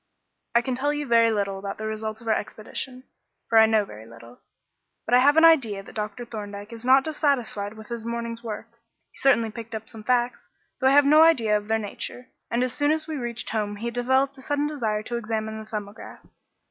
"I can tell you very little about the results of our expedition, for I know very little; but I have an idea that Dr. Thorndyke is not dissatisfied with his morning's work. He certainly picked up some facts, though I have no idea of their nature, and as soon as we reached home he developed a sudden desire to examine the 'Thumbograph.'"